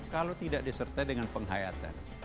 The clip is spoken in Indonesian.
kalau tidak disertai dengan penghayatan